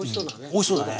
おいそうだね。